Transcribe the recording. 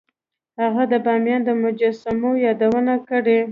هغه د بامیان د مجسمو یادونه کړې